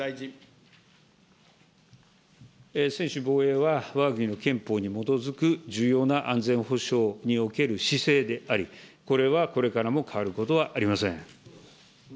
専守防衛は、わが国の憲法に基づく重要な安全保障における姿勢であり、これはこれからも変わることはありません。